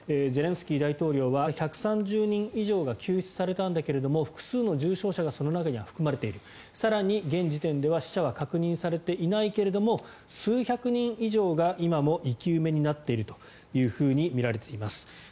ゼレンスキー大統領はこの劇場から１３０人以上が救出されたんだけれども複数の重傷者がその中には含まれている更に現時点では死者は確認されていないけれども数百人以上が今も生き埋めになっているとみられています。